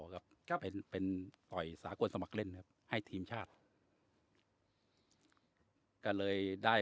ครับก็เป็นเป็นต่อยสากลสมัครเล่นครับให้ทีมชาติก็เลยได้